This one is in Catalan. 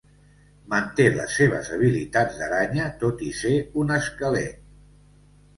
Manté les seves habilitats d'aranya tot i ser un esquelet.